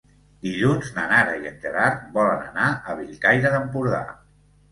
Dilluns na Nara i en Gerard volen anar a Bellcaire d'Empordà.